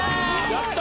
やった！